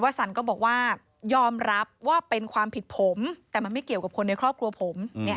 สันก็บอกว่ายอมรับว่าเป็นความผิดผมแต่มันไม่เกี่ยวกับคนในครอบครัวผม